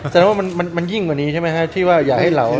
แสดงว่ามันยิ่งกว่านี้ใช่ไหมฮะที่ว่าอย่าให้เรา